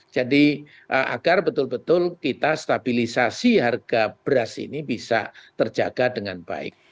jadi agar betul betul kita stabilisasi harga beras ini bisa terjaga dengan baik